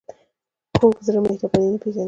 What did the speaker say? کوږ زړه مهرباني نه پېژني